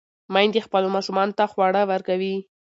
میندې خپلو ماشومانو ته خواړه ورکوي.